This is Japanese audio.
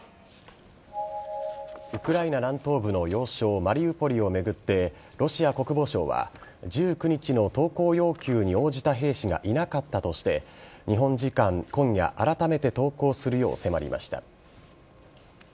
ウクライナ南東部の要衝・マリウポリを巡ってロシア国防省は１９日の投降要求に応じた兵士がいなかったとして日本時間今夜あらためて投降するよう迫りました。